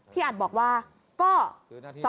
พี่อัดบอกว่าก็